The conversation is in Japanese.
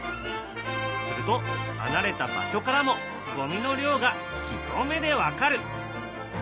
すると離れた場所からもゴミの量が一目で分かる。